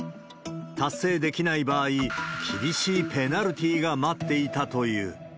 達成できない場合、厳しいペナルティが待っていたという。